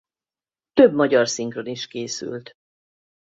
Több magyar szinkron is készült.